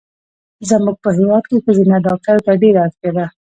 زمونږ په هېواد کې ښځېنه ډاکټرو ته ډېره اړتیا ده